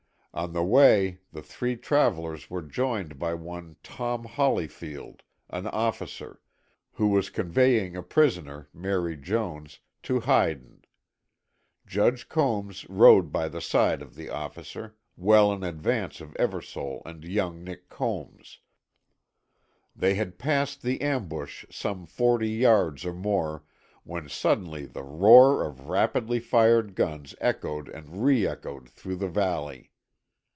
On the way the three travelers were joined by one Tom Hollifield, an officer, who was conveying a prisoner, Mary Jones, to Hyden. Judge Combs rode by the side of the officer, well in advance of Eversole and young Nick Combs. They had passed the ambush some forty yards or more, when suddenly the roar of rapidly fired guns echoed and re echoed through the valley.